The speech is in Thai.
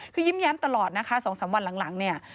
คือยิ้มแย้มตลอดนะคะ๒๓วันหลังเนี่ย